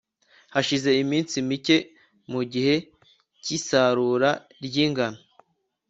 hashize iminsi mike, mu gihe cy'isarura ry'ingano